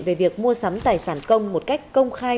về việc mua sắm tài sản công một cách công khai